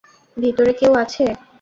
ভিতরে কেউ আছে?